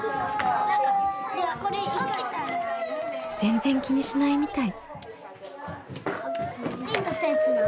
全然気にしないみたい。